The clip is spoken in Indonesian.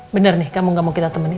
bener nih kamu gak mau kita temenin